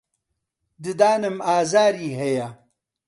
ددانم ئازاری هەیە.